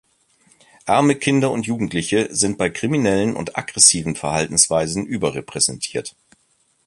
Arme Kinder und Jugendliche sind bei kriminellen und aggressiven Verhaltensweisen überrepräsentiert.